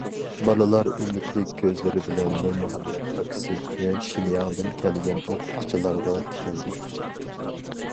بالىلار ئۈمىدلىك كۆزلىرى بىلەن نۇر مۇھەممەت ئاكىسى ۋە شېنياڭدىن كەلگەن ئوقۇتقۇچىلارغا تىكىلدى.